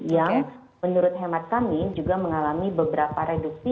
yang menurut hemat kami juga mengalami beberapa reduksi